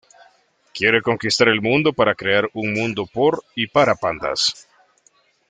Quiere conquistar el mundo para crear un mundo por y para pandas.